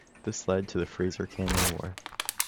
This led to the Fraser Canyon War.